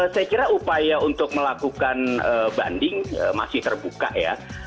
saya kira upaya untuk melakukan banding masih terbuka ya